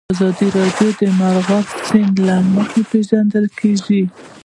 افغانستان د مورغاب سیند له مخې پېژندل کېږي.